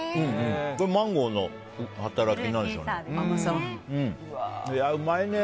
マンゴーの働きなんでしょうね。